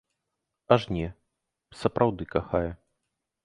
Аж не, сапраўды кахае.